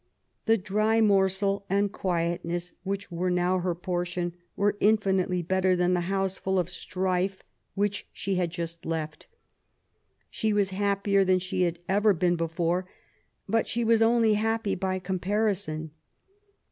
The dry morsel and quietness which were now her portion were infinitely better than the house full of strife which she had just left. She was happier than she had ever been before, but she was only happy by comparison.